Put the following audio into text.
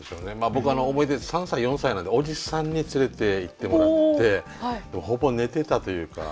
僕思い出３歳４歳なのでおじさんに連れていってもらってほぼ寝てたというか。